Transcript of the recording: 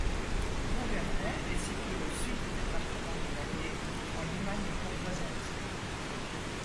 Broût-Vernet est située au sud du département de l'Allier, en Limagne bourbonnaise.